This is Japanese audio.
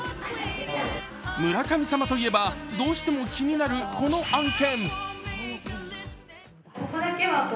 村神様といえばどうしても気になるこの案件。